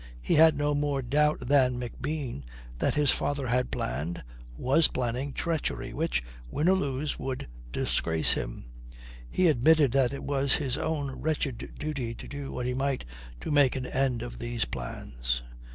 He had no more doubt than McBean that his father had planned, was planning, treachery which, win or lose, would disgrace him. He admitted that it was his own wretched duty to do what he might to make an end of these plans.